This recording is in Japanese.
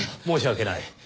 申し訳ない。